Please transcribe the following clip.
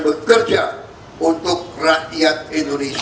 bekerja untuk rakyat indonesia